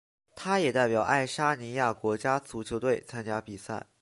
他也代表爱沙尼亚国家足球队参加比赛。